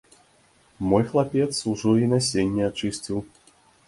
Мой хлапец ужо і насенне ачысціў.